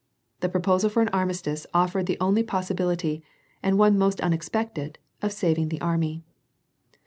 The proposal for an armistice offered the only possibility, and one most unexpected, of saving the army.